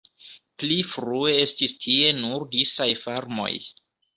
Pli frue estis tie nur disaj farmoj.